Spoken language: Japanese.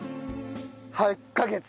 はい。